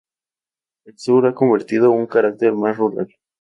El sur ha conservado un carácter más rural.